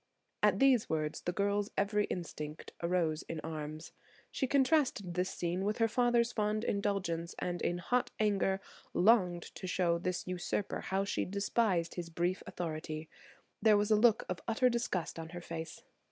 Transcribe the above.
At these words the girl's every instinct arose in arms. She contrasted this scene with her father's fond indulgence and in hot anger longed to show this usurper how she despised his brief authority. There was a look of utter disgust on her face.